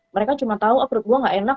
mereka cuma tau oh menurut gue gak enak